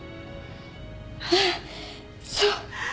あっそう。